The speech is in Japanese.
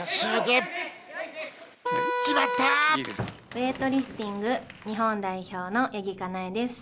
ウエイトリフティング日本代表の八木かなえです。